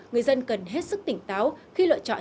người dân cần hết sức tỉnh táo khi lựa chọn